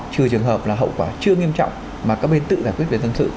trừ trường hợp là hậu quả chưa nghiêm trọng mà các bên tự giải quyết về dân sự